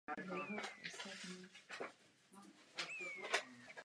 Potřebujeme rychlou a společnou reakci.